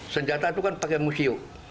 senjata itu kan pakai museum